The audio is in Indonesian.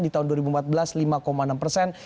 di tahun dua ribu empat belas lima enam persen